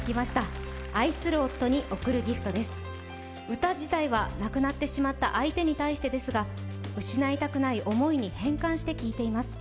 歌自体は亡くなってしまった相手に対してですが失いたくない思いに変換して聴いています。